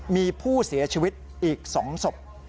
มีผู้เสียชีวิตอีก๒ศพ